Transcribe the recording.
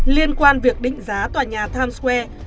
liên quan việc định giá tòa nhà times square